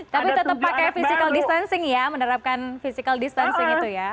tapi tetap pakai physical distancing ya menerapkan physical distancing itu ya